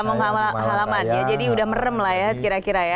kampung halaman ya jadi udah merem lah ya kira kira ya